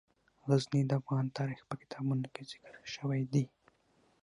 غزني د افغان تاریخ په کتابونو کې ذکر شوی دي.